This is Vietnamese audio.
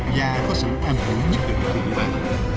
và có sự am thủ nhất định của địa bàn